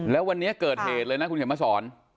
แล้ววันนี้เกิดเหตุเลยนะคุณเขตมศร